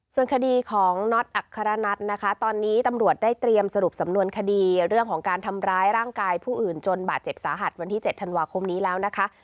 ส่วนคดีของน็อตอัครนัทนะคะตอนนี้ตำรวจได้เตรียมสรุปสำนวนคดีเรื่องของการทำร้ายร่างกายผู้อื่นจนบาดเจ็บสาหัสวันที่๗ธันวาคมนี้แล้วนะคะ